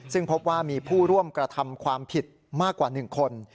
ซึ่งพบว่ามีผู้ร่วมกระทำความผิดมากกว่า๑คน